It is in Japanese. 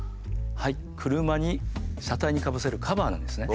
車に車体にかぶせるカバーなんですね。